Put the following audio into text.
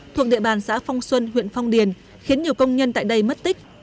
thuộc địa bàn xã phong xuân huyện phong điền khiến nhiều công nhân tại đây mất tích